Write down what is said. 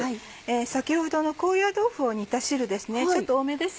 先ほどの高野豆腐を煮た汁です